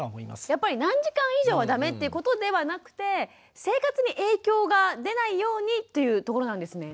やっぱり何時間以上はダメっていうことではなくて生活に影響が出ないようにというところなんですね。